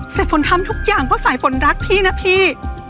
สายฝนทำทุกอย่างเพราะสายฝนรักพี่นะพี่